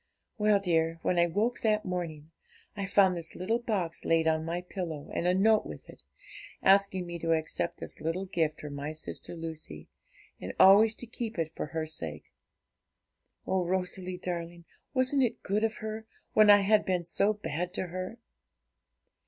'Well, dear, when I woke that morning, I found this little box laid on my pillow, and a note with it, asking me to accept this little gift from my sister Lucy, and always to keep it for her sake. Oh, Rosalie darling, wasn't it good of her, when I had been so bad to her?